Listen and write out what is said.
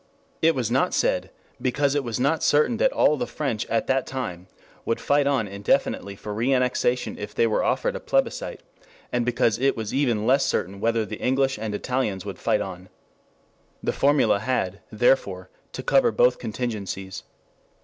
It was not said, because it was not certain that all of the French at that time would fight on indefinitely for reannexation if they were offered a plebiscite; and because it was even less certain whether the English and Italians would fight on. The formula had, therefore, to cover both contingencies.